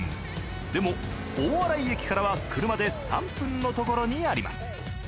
でも大洗駅からは車で３分のところにあります。